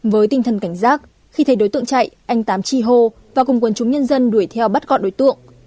với tinh thần cảnh giác khi thấy đối tượng chạy anh tám chi hô và cùng quần chúng nhân dân đuổi theo bắt gọn đối tượng